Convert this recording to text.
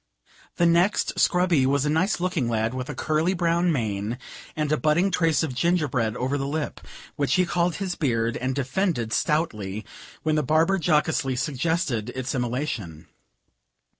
The next scrubbee was a nice looking lad, with a curly brown mane, and a budding trace of gingerbread over the lip, which he called his beard, and defended stoutly, when the barber jocosely suggested its immolation.